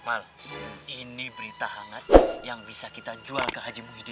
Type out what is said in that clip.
ini berita hangat yang bisa kita jual ke haji muhyid